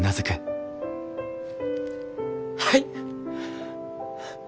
はい！